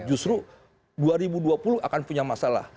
justru dua ribu dua puluh akan punya masalah